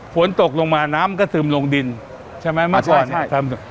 ฝนตกลงมาน้ำก็ซึมลงดินใช่ไหมเมื่อก่อนใช่ทำ